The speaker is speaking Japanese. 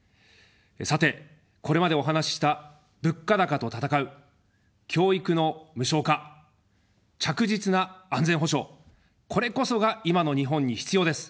さて、これまでお話しした、物価高と戦う、教育の無償化、着実な安全保障、これこそが今の日本に必要です。